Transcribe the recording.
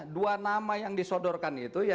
dua nama yang disodorkan itu